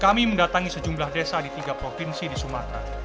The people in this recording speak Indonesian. kami mendatangi sejumlah desa di tiga provinsi di sumatera